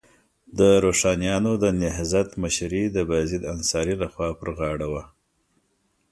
د روښانیانو د نهضت مشري د بایزید انصاري لخوا پر غاړه وه.